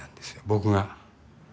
僕が。